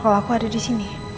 kalau aku ada disini